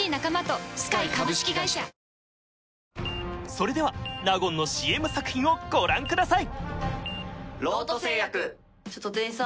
それでは納言のＣＭ作品をご覧ください